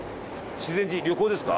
修善寺旅行ですか？